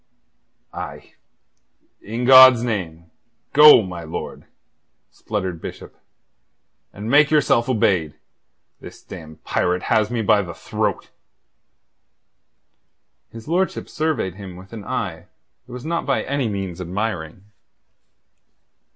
"Aye, in God's name, go, my lord," spluttered Bishop, "and make yourself obeyed. This damned pirate has me by the throat." His lordship surveyed him with an eye that was not by any means admiring.